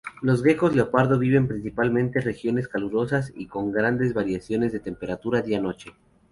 Los geckos leopardo viven principalmente regiones calurosas y con grandes variaciones de temperatura día-noche.